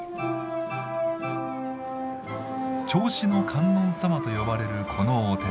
銚子の観音様と呼ばれるこのお寺。